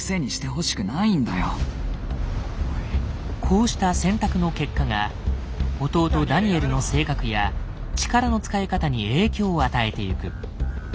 こうした選択の結果が弟ダニエルの性格や力の使い方に影響を与えてゆく。